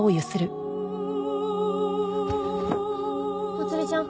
まつりちゃん？